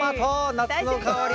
夏の香り。